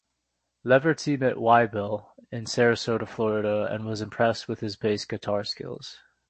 Leverty met Waibel in Sarasota, Florida and was impressed with his bass guitar skills.